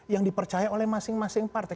yang dipercaya oleh masing masing partai